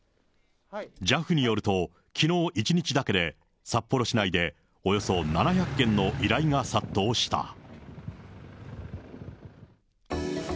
ＪＡＦによると、きのう一日だけで札幌市内でおよそ７００件の依頼が殺到した。